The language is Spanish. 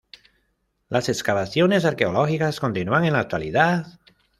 Las excavaciones arqueológicas continúan en la actualidad.